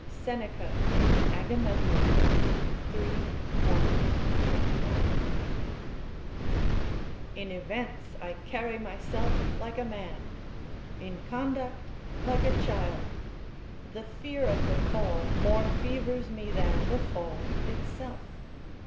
Seneca, Agamemnon, iii. 1, 29.] In events I carry myself like a man; in conduct, like a child. The fear of the fall more fevers me than the fall itself.